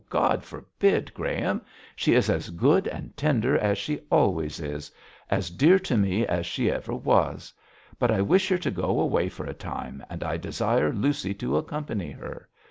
God forbid, Graham. She is as good and tender as she always is: as dear to me as she ever was. But I wish her to go away for a time, and I desire Lucy to accompany her.